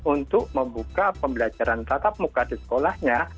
untuk membuka pembelajaran tatap muka di sekolahnya